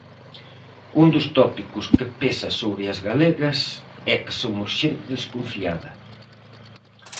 Un dos tópicos que pesa sobre as galegas é que somos xente desconfiada.